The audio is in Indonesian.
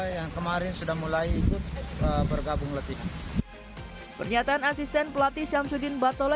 yang kemarin sudah mulai ikut bergabung letih pernyataan asisten pelatih syamsuddin batola